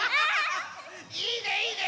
いいねいいね！